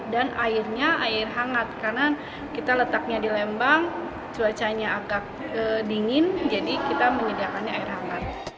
dan airnya air hangat karena kita letaknya di lembang cuacanya agak dingin jadi kita menyediakannya air hangat